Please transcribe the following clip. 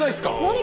何？